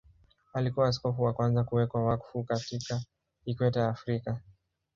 Alikuwa askofu wa kwanza kuwekwa wakfu katika Ikweta ya Afrika.